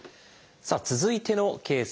さあ続いてのケースです。